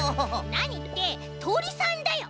なにってとりさんだよ。